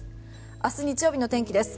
明日、日曜日の天気です。